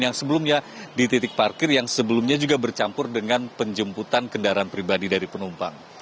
yang sebelumnya di titik parkir yang sebelumnya juga bercampur dengan penjemputan kendaraan pribadi dari penumpang